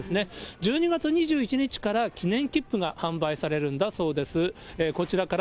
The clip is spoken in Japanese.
１２月２１日から記念切符が販売されるんだそうです。